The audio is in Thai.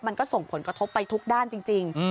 มันก็ส่งผลกระทบไปทุกด้านจริง